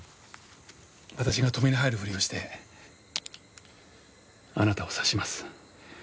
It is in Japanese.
私が止めに入るふりをしてあなたを刺します。